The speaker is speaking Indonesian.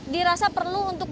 dirasa perlu untuk